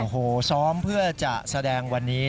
โอ้โหซ้อมเพื่อจะแสดงวันนี้